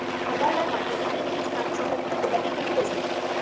হার্বারনার মার্কে হেনরির নীতি স্থানীয় সম্ভ্রান্ত পরিবারকে ক্রুদ্ধ করেছিল।